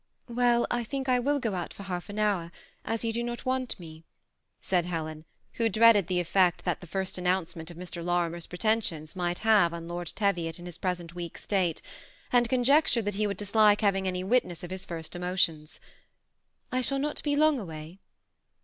^' Well, I think I will go for half an hour, as you do not want me," said Helen, who dreaded the effect that the first announcement of Mr. Lorimer's pretensions might have on Lord Teviot in his present weak state ; and conjectured that he would dislike having any wit ness of his first emotions. '^ I shall not be long away."